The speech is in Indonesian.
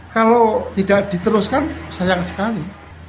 kalau tidak diteruskan sayang sekali